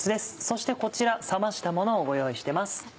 そしてこちら冷ましたものを用意してます。